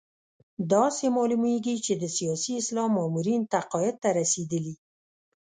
داسې معلومېږي چې د سیاسي اسلام مامورین تقاعد ته رسېدلي.